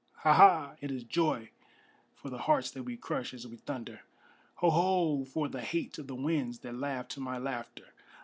Ha! Ha! it is joy for the hearts that we crush as we thunder! Ho! Ho! for the hate of the winds that laugh to my laughter!